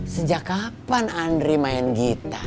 sejak kapan andri main gitar